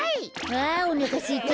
あおなかすいた。